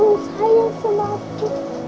aku mau pulih ngerah